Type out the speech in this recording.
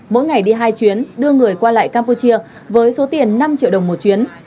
mỗi ngày đi hai chuyến đưa người qua lại campuchia với số tiền năm triệu đồng một chuyến